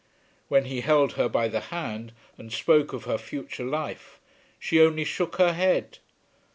When he held her by the hand and spoke of her future life she only shook her head.